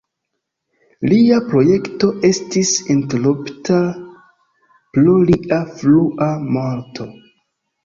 Lia projekto estis interrompita pro lia frua morto.